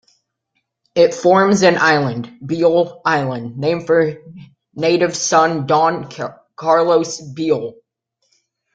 It forms an island, Buell Island, named for native son Don Carlos Buell.